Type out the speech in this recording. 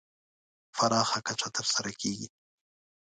پراخه کچه تر سره کېږي.